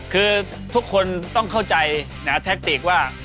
คือทุกคนต้องเข้าใจแท็กติกว่า